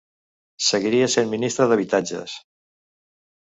Seguiria sent Ministre d'Habitatges.